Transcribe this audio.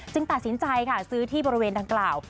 ตัดสินใจค่ะซื้อที่บริเวณดังกล่าว